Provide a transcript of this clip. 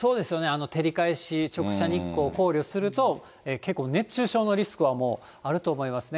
照り返し、直射日光、考慮すると、結構、熱中症のリスクはあると思いますね。